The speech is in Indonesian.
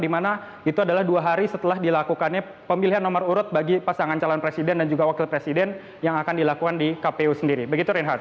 dimana itu adalah dua hari setelah dilakukannya pemilihan nomor urut bagi pasangan calon presiden dan juga wakil presiden yang akan dilakukan di kpu sendiri begitu reinhardt